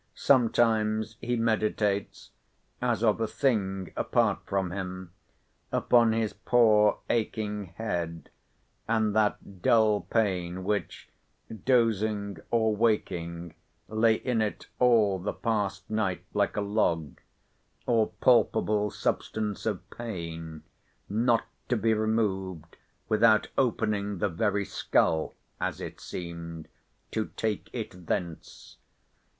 Sometimes he meditates—as of a thing apart from him—upon his poor aching head, and that dull pain which, dozing or waking, lay in it all the past night like a log, or palpable substance of pain, not to be removed without opening the very scull, as it seemed, to take it thence.